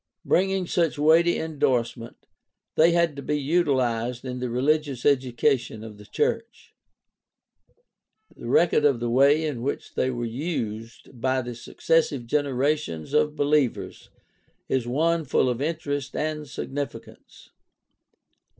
Bringing such weighty indorsement, they had to be utilized in the religious education of the church. The record of the way in which they were used by the successive generations of believers 146 GUIDE TO STUDY OF CHRISTIAN RELIGION is one full of interest and significance.